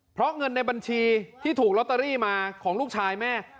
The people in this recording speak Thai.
เพราะเงินในบัญชีที่ถูกลอตเตอรี่มาของลูกชายแม่